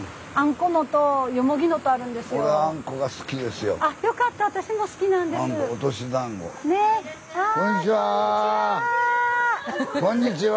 こんにちは！